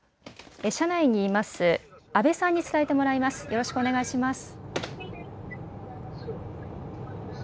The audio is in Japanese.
車内にいる阿部さんに伝えてもらいます。